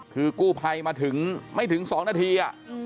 คือกู้ภัยมาถึงไม่ถึง๒นาที